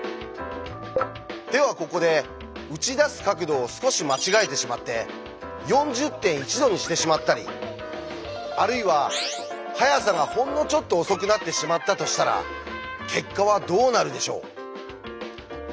ではここで撃ち出す角度を少し間違えてしまって４０．１度にしてしまったりあるいは速さがほんのちょっと遅くなってしまったとしたら結果はどうなるでしょう。